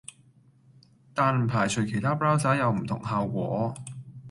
但唔排除其他 Browser 有唔同效果